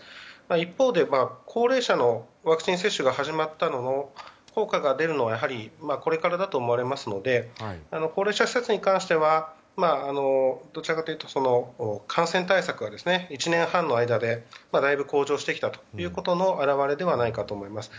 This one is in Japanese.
一方で、高齢者のワクチン接種が始まったのも効果が出るのはこれからだと思われますので高齢者施設に関してはどちらかというと感染対策は１年半の間でだいぶ向上してきた表れではないかと思います。